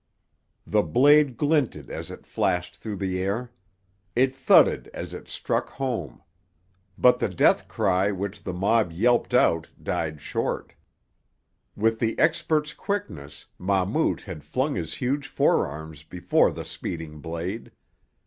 The blade glinted as it flashed through the air; it thudded as it struck home; but the death cry which the mob yelped out died short. With the expert's quickness Mahmout had flung his huge forearms before the speeding blade.